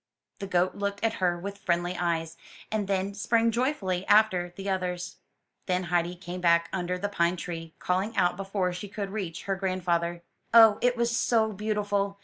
The goat looked at her with friendly eyes, and then sprang joyfully after the others. Then Heidi came back under the pine tree, calling out before she could reach her grandfather: "Oh, it was so beautiful